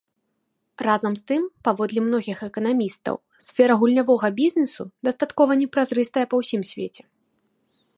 Разам з тым, паводле многіх эканамістаў, сфера гульнявога бізнесу дастаткова непразрыстая па ўсім свеце.